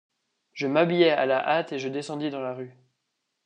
Je m’habillai à la hâte et je descendis dans la rue.